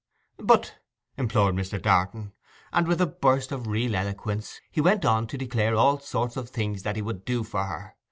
'But!'—implored Mr. Darton. And with a burst of real eloquence he went on to declare all sorts of things that he would do for her.